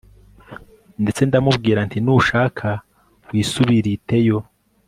ndetse ndamubwira nti nushake wisubiriteyo